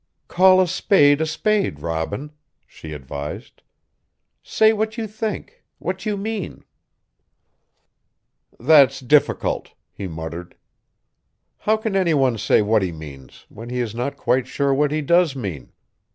"Call a spade a spade, Robin," she advised. "Say what you think what you mean." "That's difficult," he muttered. "How can any one say what he means when he is not quite sure what he does mean?